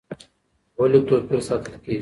ولې توپیر ساتل کېږي؟